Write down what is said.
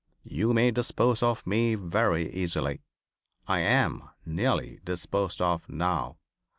You may dispose of me very easily. I am nearly disposed of now.